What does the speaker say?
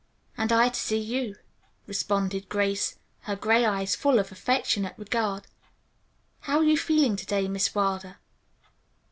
"And I to see you," responded Grace, her gray eyes full of affectionate regard. "How are you feeling to day, Miss Wilder?"